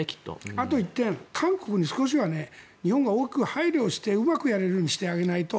あと１点韓国に対しては日本が配慮をしてうまくやれるようにしてあげないと。